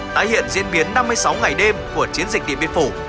tái hiện diễn biến năm mươi sáu ngày đêm của chiến dịch điện biên phủ